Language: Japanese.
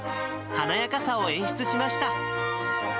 華やかさを演出しました。